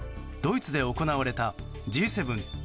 ドイツで行われたＧ７・